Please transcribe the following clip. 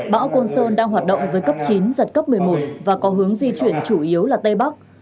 bão côn sơn đang hoạt động với cấp chín giật cấp một mươi một và có hướng di chuyển chủ yếu là tây bắc